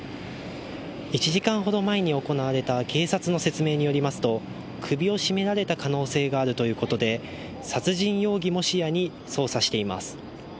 １時間ほど前に行われた警察の説明によりますと首を絞められた可能性があるということで殺人容疑も視野に捜査しています。